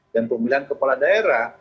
dan pemilihan kepala daerah